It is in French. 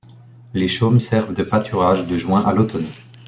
Les chaumes servent de pâturages de juin à l'automne.